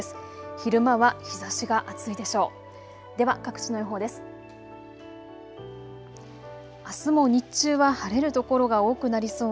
昼間は日ざしが暑いでしょう。